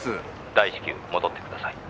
「大至急戻ってください」